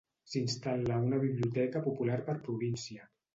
S'instal·la una biblioteca popular per província: